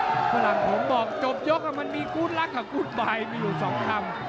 เพราะหลังผมบอกจบยกมันมีกู๊ดลักษณ์กับกู๊ดบายมีอยู่สองคำ